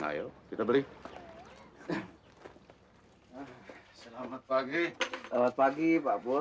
ayo kita beli selamat pagi selamat pagi pak pur